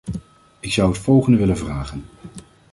Ik zou het volgende willen vragen.